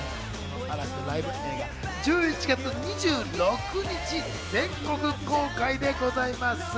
嵐のライブ映画は１１月２６日、全国公開でございます。